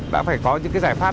đã phải có những cái giải pháp